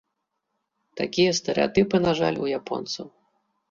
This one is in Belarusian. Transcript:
Такія стэрэатыпы, на жаль, у японцаў.